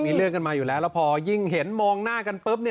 มีเรื่องกันมาอยู่แล้วแล้วพอยิ่งเห็นมองหน้ากันปุ๊บ